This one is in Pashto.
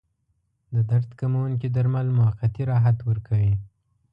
د درد کموونکي درمل موقتي راحت ورکوي.